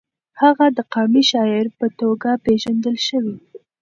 هغه د قامي شاعر په توګه پېژندل شوی.